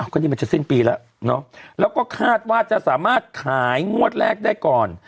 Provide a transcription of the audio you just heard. ก็นี่มันจะสิ้นปีแล้วเนาะแล้วก็คาดว่าจะสามารถขายงวดแรกได้ก่อน